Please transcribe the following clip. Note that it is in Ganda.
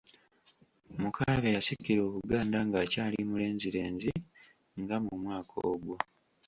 Mukaabya yasikira Obuganda ng'akyali mulenzirenzi nga mu mwaka ogwo.